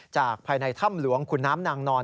จากภายในถ้ำหลวงขุนน้ำนางนอน